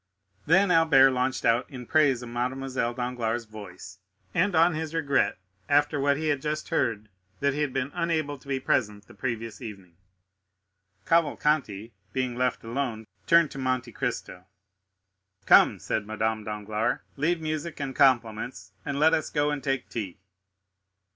Then Albert launched out in praise of Mademoiselle Danglars' voice, and on his regret, after what he had just heard, that he had been unable to be present the previous evening. Cavalcanti, being left alone, turned to Monte Cristo. "Come," said Madame Danglars, "leave music and compliments, and let us go and take tea."